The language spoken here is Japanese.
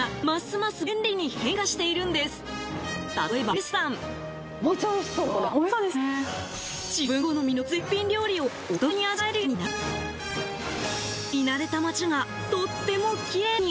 日々自分好みの絶品料理をお得に味わえるようになったり見慣れた街がとってもきれいに！